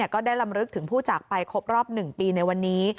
ก็ได้ลำลึกถึงผู้จากไปครบรอบ๑ปีในวันนี้